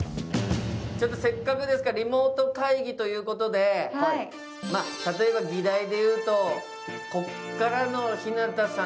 せっかくですからリモート会議ということで、例えば議題でいうと、ここからの日向さん、